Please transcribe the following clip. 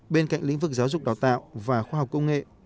bên cạnh lĩnh vực giáo dục đào tạo và khoa học công nghệ